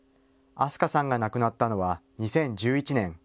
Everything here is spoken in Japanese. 明日香さんが亡くなったのは２０１１年。